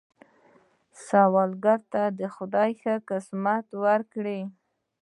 سوالګر ته خدای ښه قسمت ورکړي